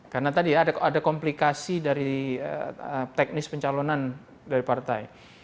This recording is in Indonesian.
karena tadi ada komplikasi dari teknis pencalonan dari partai